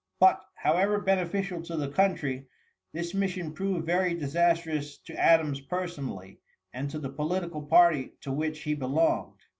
But, however beneficial to the country, this mission proved very disastrous to Adams personally, and to the political party to which he belonged.